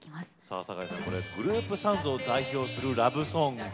酒井さんグループサウンズを代表するラブソング